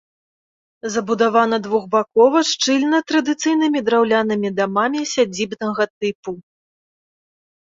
Забудавана двухбакова, шчыльна традыцыйнымі драўлянымі дамамі сядзібнага тыпу.